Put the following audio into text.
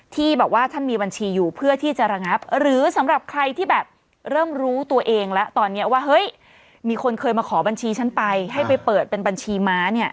ที่บอกว่าท่านมีบัญชีอยู่เพื่อที่จะระงับหรือสำหรับใครที่แบบเริ่มรู้ตัวเองแล้วตอนนี้ว่าเฮ้ยมีคนเคยมาขอบัญชีฉันไปให้ไปเปิดเป็นบัญชีม้าเนี่ย